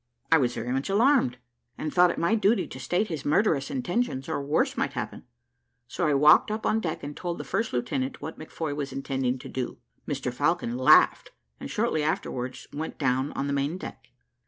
I was very much alarmed, and thought it my duty to state his murderous intentions, or worse might happen; so I walked up on deck and told the first lieutenant what McFoy was intending to do. Mr Falcon laughed, and shortly afterwards went down on the main deck.